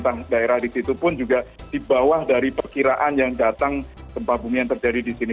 tentang daerah di situ pun juga di bawah dari perkiraan yang datang gempa bumi yang terjadi di sini